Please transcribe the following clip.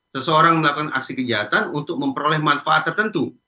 seseorang melakukan aksi kejahatan untuk memperoleh manfaat tertentu